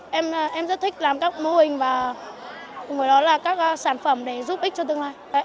cùng với đó là em rất thích làm các mô hình và cùng với đó là các sản phẩm để giúp ích cho tương lai